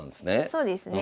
そうですね。